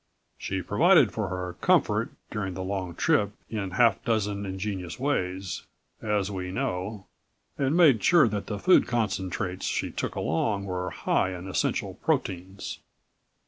She provided for her comfort during the long trip in half dozen ingenious ways, as we know, and made sure that the food concentrates she took along were high in essential proteins.